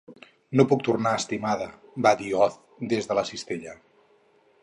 "No puc tornar, estimada" va dir Oz des de la cistella.